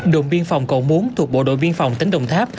đồn biên phòng cầu muốn thuộc bộ đội biên phòng tỉnh đồng tháp